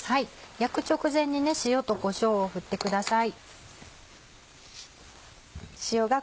焼く直前に塩とこしょうを振ってください。